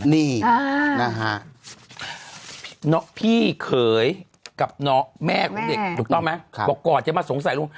นี่นะฮะพี่เขยกับแม่ของเด็กถูกต้องไหมบอกก่อนจะมาสงสัยลุง